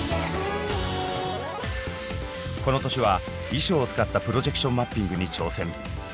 この年は衣装を使ったプロジェクションマッピングに挑戦。